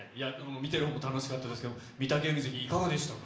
見てるほうも楽しかったですけれども、御嶽海関、いかがでしたか？